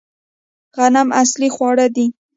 غنم اصلي خواړه دي